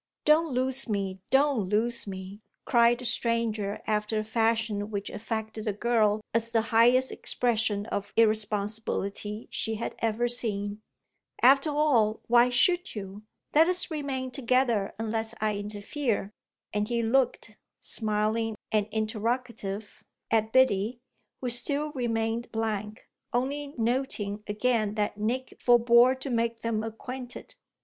"Don't lose me, don't lose me!" cried the stranger after a fashion which affected the girl as the highest expression of irresponsibility she had ever seen. "After all why should you? Let us remain together unless I interfere" and he looked, smiling and interrogative, at Biddy, who still remained blank, only noting again that Nick forbore to make them acquainted.